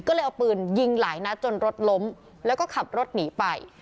ก็เลยเอาปืนยิงหลายนัดจนรถล้มแล้วก็ขับรถหนีไป